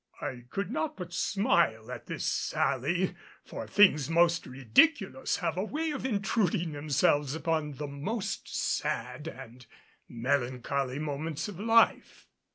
I could not but smile at this sally, for things most ridiculous have a way of intruding themselves upon the most sad and melancholy moments of life.